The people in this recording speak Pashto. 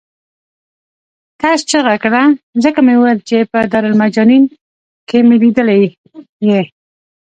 کس چغه کړه ځکه مې وویل چې په دارالمجانین کې مې لیدلی یې.